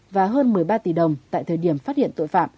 và hơn một mươi ba tỷ đồng tại thời điểm phát hiện